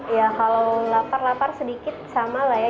ya kalau lapar lapar sedikit sama lah ya